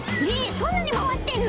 そんなにまわってんの？